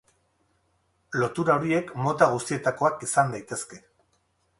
Lotura horiek mota guztietakoak izan daitezke.